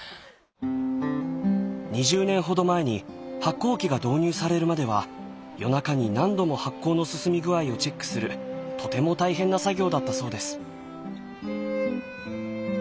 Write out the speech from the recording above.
２０年ほど前に発酵機が導入されるまでは夜中に何度も発酵の進み具合をチェックするとても大変な作業だったそうです。